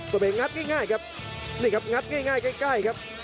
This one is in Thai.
ตัวเองงัดง่ายครับนี่ครับงัดง่ายใกล้ครับ